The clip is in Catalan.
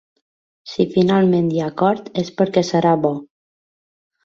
Si finalment hi ha acord és perquè serà bo.